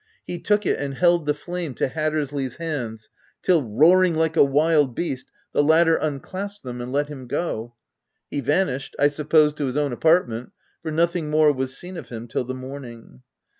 He took it and held the flame to Hat tersley's hands till, roaring like a wild beast, the latter unclasped them and let him go. He vanished, I suppose to his own apartment, for nothing more was seen of him till the morning.